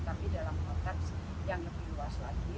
tapi dalam konteks yang lebih luas lagi